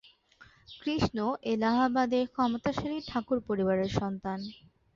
কৃষ্ণ এলাহাবাদের ক্ষমতাশালী ঠাকুর পরিবারের সন্তান।